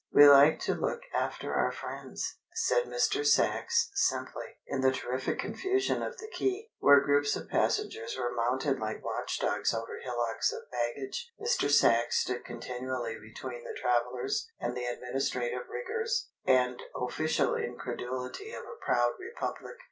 "We like to look after our friends," said Mr. Sachs simply. In the terrific confusion of the quay, where groups of passengers were mounted like watch dogs over hillocks of baggage, Mr. Sachs stood continually between the travellers and the administrative rigours and official incredulity of a proud republic.